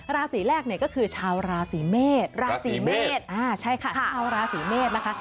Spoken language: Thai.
ราศีแรกเนี่ยก็คือชาวราศีเมษราศีเมษใช่ค่ะชาวราศีเมษนะคะ